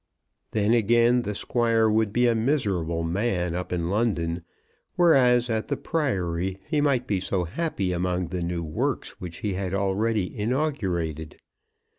Then again the Squire would be a miserable man up in London, whereas at the Priory he might be so happy among the new works which he had already inaugurated.